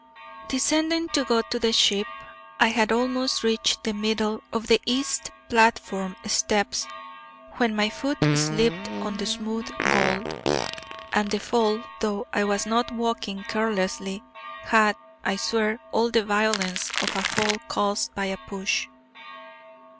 Descending to go to the ship, I had almost reached the middle of the east platform steps, when my foot slipped on the smooth gold: and the fall, though I was not walking carelessly, had, I swear, all the violence of a fall caused by a push.